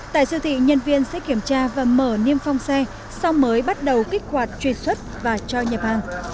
tại siêu thị nhân viên sẽ kiểm tra và mở niêm phong xe sau mới bắt đầu kích hoạt truy xuất và cho nhập hàng